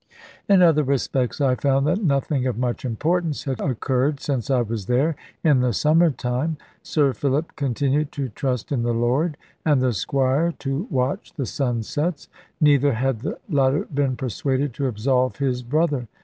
In other respects I found that nothing of much importance had occurred since I was there in the summer time. Sir Philip continued to trust in the Lord, and the Squire to watch the sunsets; neither had the latter been persuaded to absolve his brother.